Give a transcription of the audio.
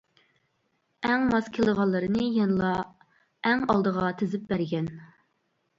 ئەڭ ماس كېلىدىغانلىرىنى يەنىلا ئەڭ ئالدىغا تىزىپ بەرگەن.